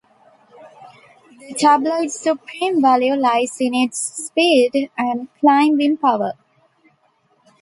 The tabloid’s supreme value lies in its speed and climbing power.